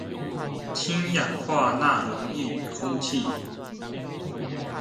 氫氧化鈉溶液與空氣